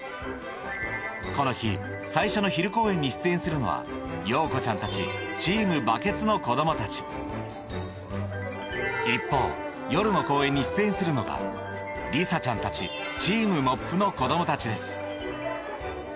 この日最初の昼公演に出演するのはようこちゃんたちチーム・バケツの子供たち一方夜の公演に出演するのが里咲ちゃんたちチーム・モップの子供たちです